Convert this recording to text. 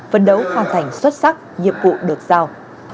phấn đấu hoàn thành xuất sắc nhiệm vụ được giao